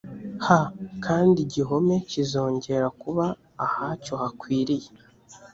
h kandi igihome kizongera kuba ahacyo hakwiriye